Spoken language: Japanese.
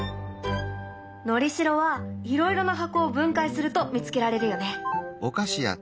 のりしろはいろいろな箱を分解すると見つけられるよね。